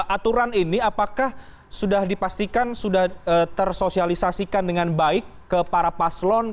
aturan ini apakah sudah dipastikan sudah tersosialisasikan dengan baik ke para paslon